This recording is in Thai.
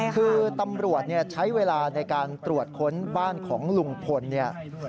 คือตำรวจใช้เวลาในการตรวจค้นบ้านของลุงพลเนี่ย